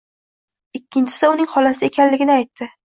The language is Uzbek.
Ikkinchisi uning xolasi ekanligini aytdi